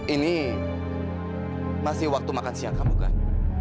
ini masih waktu makan siang kamu kan